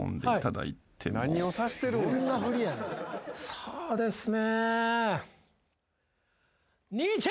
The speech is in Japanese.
そうですね。